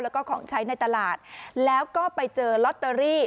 แล้วก็ของใช้ในตลาดแล้วก็ไปเจอลอตเตอรี่